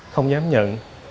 không dám nhận ra